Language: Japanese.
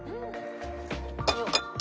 よっ。